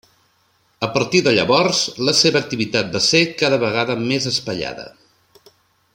A partir de llavors la seva activitat va ser cada vegada més espaiada.